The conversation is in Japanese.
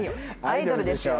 アイドルですよ。